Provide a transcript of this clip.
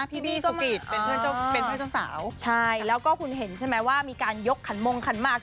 พี่บี้สุกิตเป็นเพื่อนเจ้าสาวใช่แล้วก็คุณเห็นใช่มั้ยว่ามีการยกขันมงขันมาก